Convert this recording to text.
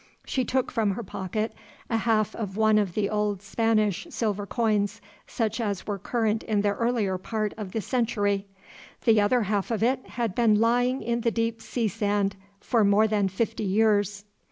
She took from her pocket a half of one of the old Spanish silver coins, such as were current in the earlier part of this century. The other half of it had been lying in the deep sea sand for more than fifty years.